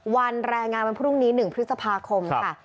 วันแรงงานวันพรุ่งนี้๑พฤษภาคมค่ะ